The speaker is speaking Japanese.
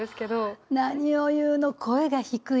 何を言うの、声が低い。